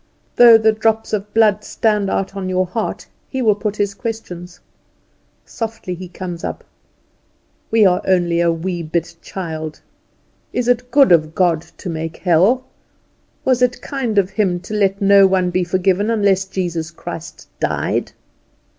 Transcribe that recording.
Though the drops of blood stand out on your heart he will put his question. Softly he comes up (we are only a wee bit child); "Is it good of God to make hell? Was it kind of Him to let no one be forgiven unless Jesus Christ died?"